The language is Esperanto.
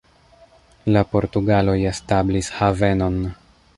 La portugaloj establis havenon.